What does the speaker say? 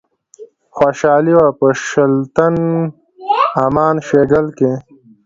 خوشحالي وه په شُلتن، امان شیګل کښي